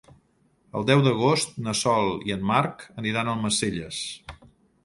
El deu d'agost na Sol i en Marc aniran a Almacelles.